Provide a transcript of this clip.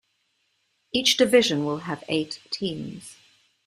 Each division will have eight teams.